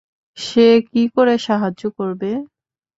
সে কি করে সাহায্য করবে?